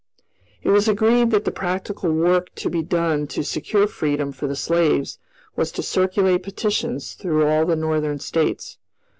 It was agreed that the practical work to be done to secure freedom for the slaves was to circulate petitions through all the Northern States.